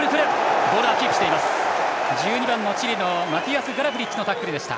１２番のチリのマティアス・ガラフリッチのタックルでした。